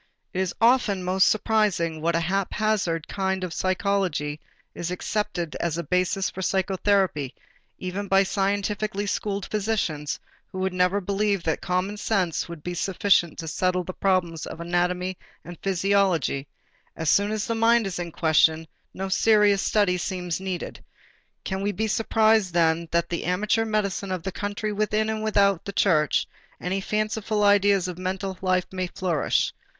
It is often most surprising what a haphazard kind of psychology is accepted as a basis for psychotherapy even by scientifically schooled physicians who would never believe that common sense would be sufficient to settle the problems of anatomy and physiology; as soon as the mind is in question, no serious study seems needed. Can we be surprised then that in the amateur medicine of the country within and without the church any fanciful idea of mental life may flourish?